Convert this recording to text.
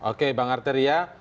oke bang arteria